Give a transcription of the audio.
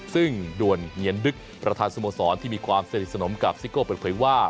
ซึ่งด่วนเงียนดึกประธานสมสรรค์ที่มีความเสร็จสนมกับซิโก้เป็นความว่า